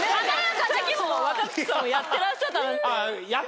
さっきも若槻さんやってらっしゃったんですよ。